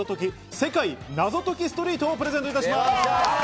セカイナゾトキストリート』をプレゼントいたします。